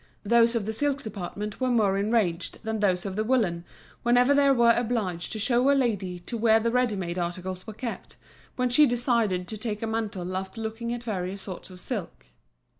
Those of the silk department were more enraged than those of the woollen, whenever they were obliged to show a lady to where the ready made articles were kept, when she decided to take a mantle after looking at various sorts of silk.